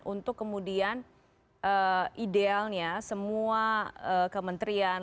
untuk kemudian idealnya semua kementerian